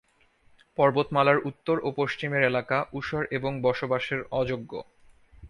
পর্বতমালার উত্তর ও পশ্চিমের এলাকা ঊষর এবং বসবাসের অযোগ্য।